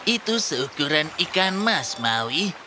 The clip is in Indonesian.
itu seukuran ikan mas maui